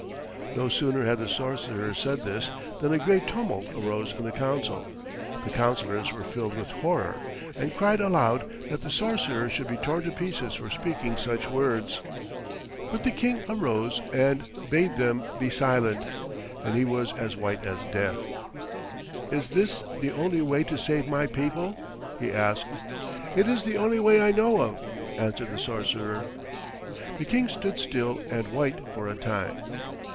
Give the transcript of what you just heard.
No sooner had the sorcerer said this than a great tumult arose in the council. The councillors were filled with horror, and cried aloud that the sorcerer should be torn to pieces for speaking such words. But the King arose and bade them be silent, and he was as white as death. "Is this the only way to save my people?" he asked. "It is the only way I know of," answered the sorcerer. The King stood still and white for a time.